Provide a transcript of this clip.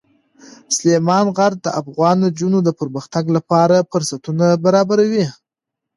سلیمان غر د افغان نجونو د پرمختګ لپاره فرصتونه برابروي.